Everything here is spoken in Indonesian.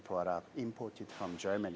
yang diimpor dari jerman